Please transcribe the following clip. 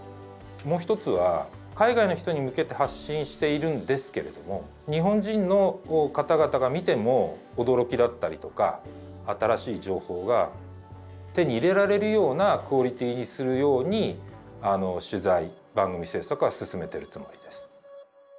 もう一つは海外の人に向けて発信しているんですけれども日本人の方々が見ても驚きだったりとか新しい情報が手に入れられるようなクオリティーにするように取材・番組制作は進めてるつもりです。